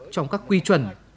trong các quy chuẩn